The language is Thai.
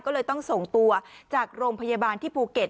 ก็เลยต้องส่งตัวจากโรงพยาบาลที่ภูเก็ต